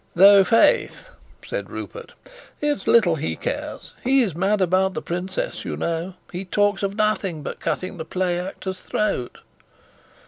"Though, faith," said Rupert, "it's little he cares. He's mad about the princess, you know. He talks of nothing but cutting the play actor's throat."